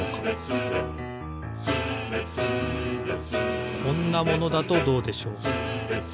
「スレスレ」こんなものだとどうでしょう？